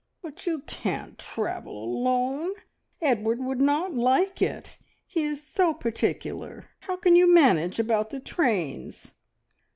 "But you can't travel alone! Edward would not like it. He is so particular. How can you manage about the trains?"